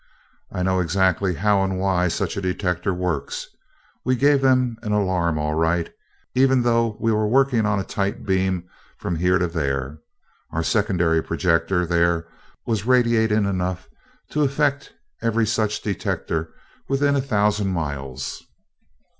"I know exactly how and why such a detector works. We gave 'em an alarm, all right. Even though we were working on a tight beam from here to there, our secondary projector there was radiating enough to affect every such detector within a thousand miles."